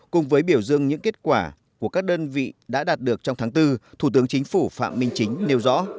cùng với biểu dương những kết quả của các đơn vị đã đạt được trong tháng bốn thủ tướng chính phủ phạm minh chính nêu rõ